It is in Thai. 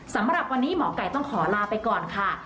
สำหรับวันนี้หมอไก่ต้องขอลาไปก่อนค่ะ